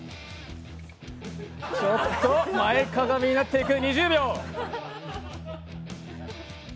ちょっと前かがみになっていく。